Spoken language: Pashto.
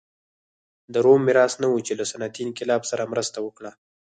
د روم میراث نه و چې له صنعتي انقلاب سره مرسته وکړه.